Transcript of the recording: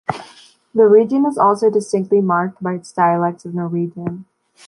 The region is also distinctly marked by its dialects of Norwegian.